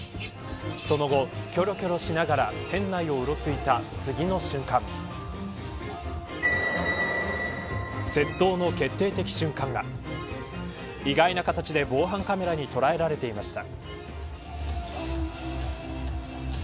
その後、きょろきょろしながら店内をうろついた次の瞬間窃盗の決定的な瞬間が意外な形で防犯カメラに捉えられていました。